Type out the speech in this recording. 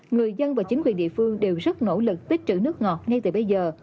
người dân và chính quyền địa phương đều rất nỗ lực tích trữ nước ngọt ngay từ bây giờ